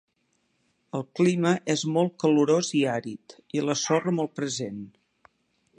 El clima és molt calorós i àrid, i la sorra molt present.